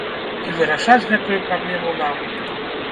І вырашаць гэтую праблему нам!